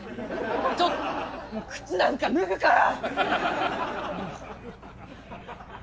ちょっと靴なんか脱ぐから！